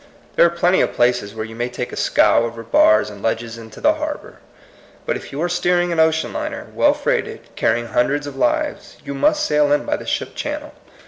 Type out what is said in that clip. There are plenty of places where you may take a scow over bars and ledges into the harbor. But if you are steering an ocean liner, well freighted, carrying hun dreds of lives, you must sail in by the ship channel.